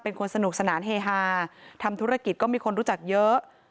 เป็นคนสนุกสนานเฮฮาทำธุรกิจก็มีคนรู้จักเยอะ